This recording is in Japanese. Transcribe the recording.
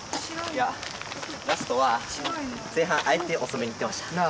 ラストは前半あえて遅めにいってました。